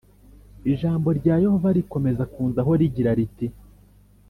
Ijambo rya Yehova rikomeza kunzaho rigira riti